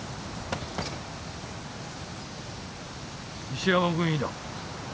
石山軍医だ。